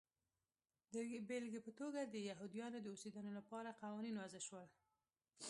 د بېلګې په توګه د یهودیانو د اوسېدنې لپاره قوانین وضع شول.